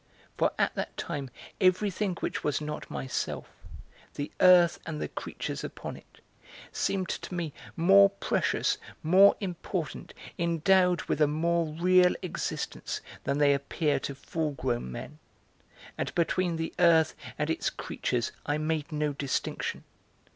For at that time everything which was not myself, the earth and the creatures upon it, seemed to me more precious, more important, endowed with a more real existence than they appear to full grown men. And between the earth and its creatures I made no distinction.